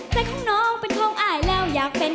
แต่ของน้องเป็นของอายแล้วอยากเป็น